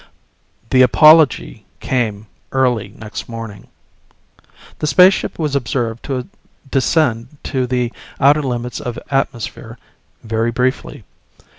The apology came early next morning. The spaceship was observed to descend to the outer limits of atmosphere, very briefly.